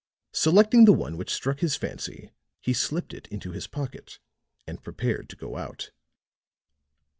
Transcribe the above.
Selecting the one which struck his fancy, he slipped it into his pocket and prepared to go out.